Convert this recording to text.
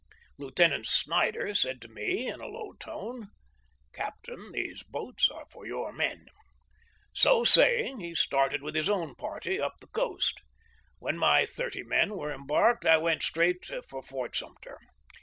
Lieutenant Snyder said to me in a low tone :" Captain, those boats are for your men." So saying, he started with his own party up the coast. When my thirty men were embarked I went straight for Fort Sumter.